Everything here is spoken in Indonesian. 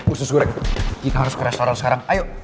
khusus goreng kita harus ke restoran sekarang ayo